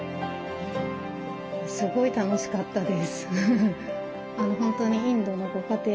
すごい楽しかったです。